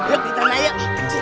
yuk kita layak